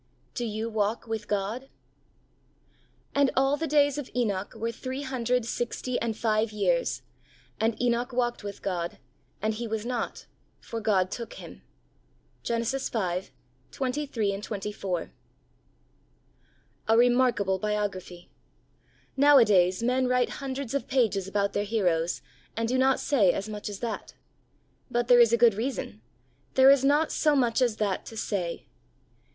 Do You Walk with God ? And all tke days of Enoch were three ktaidred sixty and five years ; and Enoch walked with God ; and he was noty for God took him ."— Gen. v. 23, 24. A RE^IARKABLE biography ! Nowadays men write hundreds of pages about their heroes, and do not say as much as that. But there is a good reason. There is not so much as that to say.